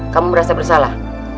kamu merasa bersalah